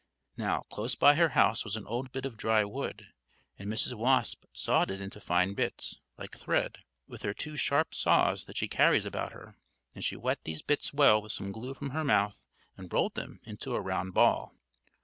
Now, close by her house was an old bit of dry wood, and Mrs. Wasp sawed it into fine bits, like thread, with her two sharp saws that she carries about her. Then she wet these bits well with some glue from her mouth, and rolled them into a round ball.